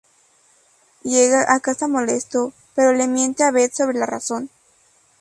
Llega a casa molesto, pero le miente a Beth sobre la razón.